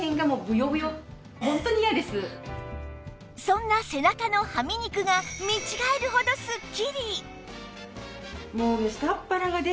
そんな背中のはみ肉が見違えるほどすっきり！